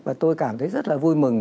và tôi cảm thấy rất là vui mừng